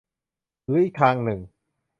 หรืออีกทางหนึ่ง